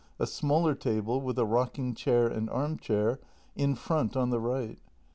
A smaller table, with a rocking chair and arm chair, in front on the right.